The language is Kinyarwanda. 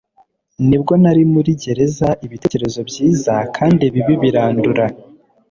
nibwo nari muri gerezaibitekerezo byiza kandi bibi birandura